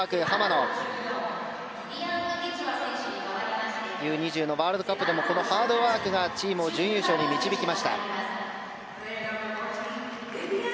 Ｕ‐２０のワールドカップでもハードワークがチームを準優勝に導きました。